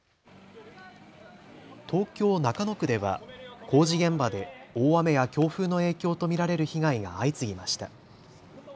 東京中野区では工事現場で大雨や強風の影響と見られる被害が相次ぎました。